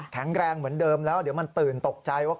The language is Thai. แข็งแรงเหมือนเดิมแล้วเดี๋ยวมันตื่นตกใจว่า